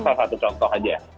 salah satu contoh aja